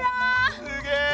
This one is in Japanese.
すげえ！